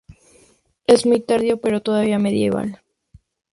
Es muy tardío, pero todavía medieval.